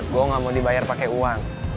gue ga mau dibayar pake uang